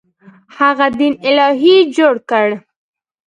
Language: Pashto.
هغه دین الهي جوړ کړ.